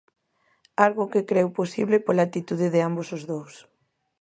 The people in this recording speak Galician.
Algo que creu posible pola actitude de ambos os dous.